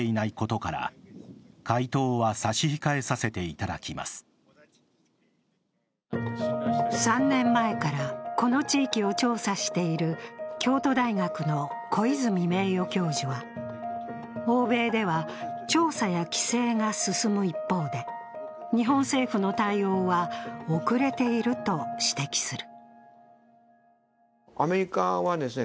そのうえで土壌や野菜への影響については３年前からこの地域を調査している京都大学の小泉名誉教授は、欧米では調査や規制が進む一方で日本政府の対応は遅れていると指摘する。